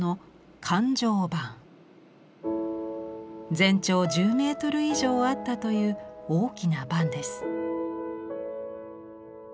全長１０メートル以上あったという大きな幡です。